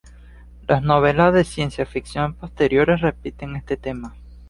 Las novelas de ciencia ficción posteriores repiten este tema.